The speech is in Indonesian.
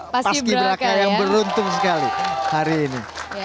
paski beraka yang beruntung sekali hari ini